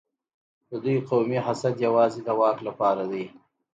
د دوی قومي حسد یوازې د واک لپاره دی.